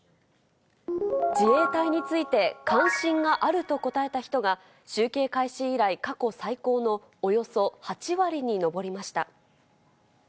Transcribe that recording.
自衛隊について関心があると答えた人が、集計開始以来過去最高のおよそ８割に上りました。